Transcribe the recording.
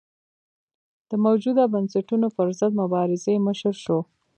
د موجوده بنسټونو پرضد مبارزې مشر شو.